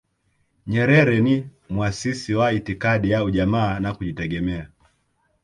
nyerere ni mwasisi wa itikadi ya ujamaa na kujitegemea